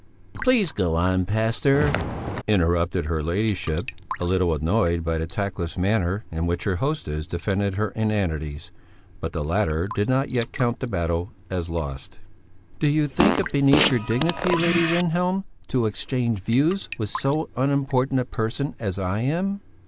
"Please go on, pastor," interrupted her ladyship, a little annoyed by the tactless manner in which her hostess defended her inanities; but the latter did not yet count the battle as lost. "Do you think it beneath your dignity, Lady Rehnhjelm, to exchange views with so unimportant a person as I am...?"